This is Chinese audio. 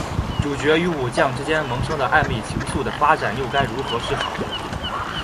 主角与武将之间萌生的暧昧情愫的发展又该如何是好？